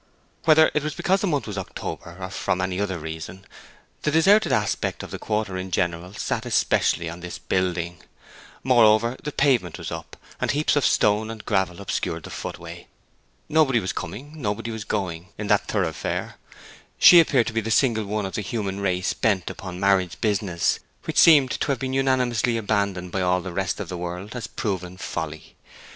Whether it was because the month was October, or from any other reason, the deserted aspect of the quarter in general sat especially on this building. Moreover the pavement was up, and heaps of stone and gravel obstructed the footway. Nobody was coming, nobody was going, in that thoroughfare; she appeared to be the single one of the human race bent upon marriage business, which seemed to have been unanimously abandoned by all the rest of the world as proven folly.